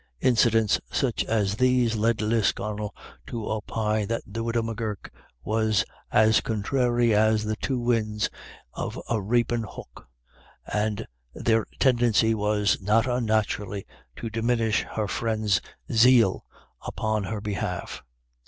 Incidents such as these led Lisconnel to opine that the widow M'Gurk was " as conthrdry as the two inds of a rapin hook," and their tendency was, not unnaturally, to diminish her friends' zeal 3 18 IRISH IDYLLS. upon her behalf.